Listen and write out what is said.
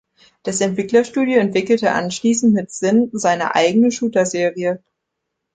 Das Entwicklerstudio entwickelte anschließend mit SiN seine eigene Shooter-Serie.